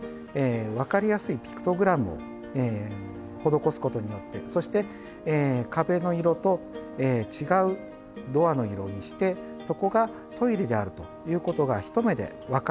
分かりやすいピクトグラムを施すことによってそして壁の色と違うドアの色にしてそこがトイレであるということが一目で分かるようになっています。